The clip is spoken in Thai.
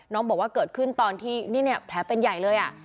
บอกว่าเกิดขึ้นตอนที่นี่เนี่ยแผลเป็นใหญ่เลย